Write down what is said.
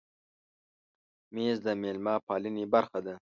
مېز د مېلمه پالنې برخه ده.